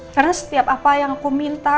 karena setiap apa yang aku minta